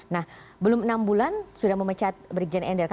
nah belum enam bulan sudah memecat brigjen endar